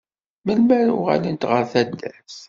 Melmi ara uɣalent ɣer taddart?